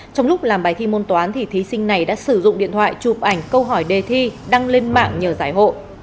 trong lúc làm bài thi môn toán thì thí sinh này đã sử dụng điện thoại chụp ảnh câu hỏi đề thi đăng lên mạng nhờ giải hộ